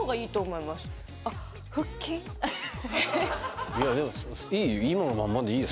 いやでもいいよ